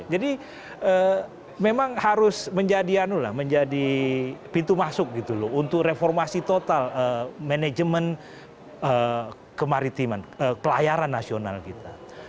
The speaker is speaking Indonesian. jadi memang harus menjadi pintu masuk gitu loh untuk reformasi total manajemen kemaritiman pelayaran nasional kita